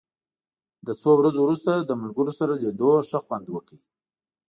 له څو ورځو وروسته له ملګرو سره لیدو ښه خوند وکړ.